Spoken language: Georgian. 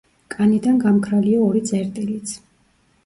კანიდან გამქრალია ორი წერტილიც.